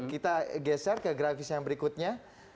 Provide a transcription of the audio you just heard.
kita geser ke grafis yang berikutnya